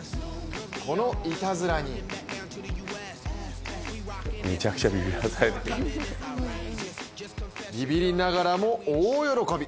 このいたずらにビビリながらも大喜び。